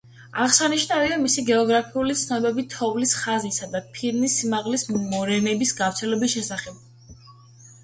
აღსანიშნავია მისი გეოგრაფიული ცნობები თოვლის ხაზისა და ფირნის სიმაღლის, მორენების გავრცელების შესახებ.